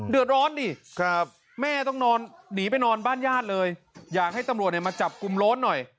เดือดร้อนดิแม่ต้องนอนหนีไปนอนบ้านญาติเลยอยากให้ตำรวจเนี่ยมาจับกลุ่มโล้นหน่อย